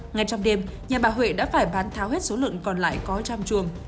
ngay trong đêm nhà bà huệ đã phải bán tháo hết số lượng còn lại có trong chuồng